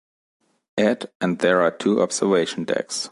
At and there are two observation decks.